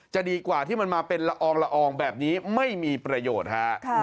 จะดีกว่าที่มันมาเป็นละอองละอองแบบนี้ไม่มีประโยชน์ฮะ